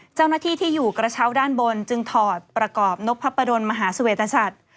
เจ้าหน้าที่ที่อยู่กระเช้าด้านบนจึงถอดประกอบนพประดนมหาเสวตสัตว์